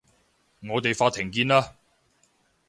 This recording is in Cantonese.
我哋法庭見啦